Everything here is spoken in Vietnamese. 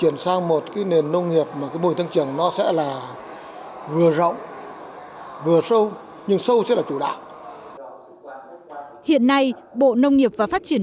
hiện nay bộ nông nghiệp và phát triển nông nghiệp đã truyền đổi mô hình tăng trưởng